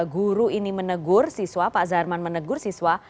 guru ini menegur siswa pak zairman menegur siswa